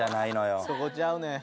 「そこちゃうねん。